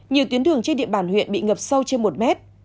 nhiều tuyến đường trên địa bàn huyện bị ngập sâu trên một mét